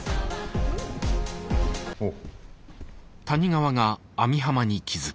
おっ。